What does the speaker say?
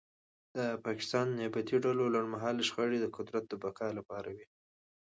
د پاکستان د نیابتي ډلو لنډمهاله شخړې د قدرت د بقا لپاره وې